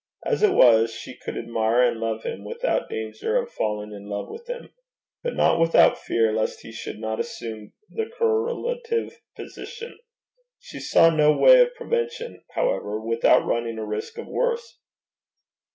As it was, she could admire and love him without danger of falling in love with him; but not without fear lest he should not assume the correlative position. She saw no way of prevention, however, without running a risk of worse.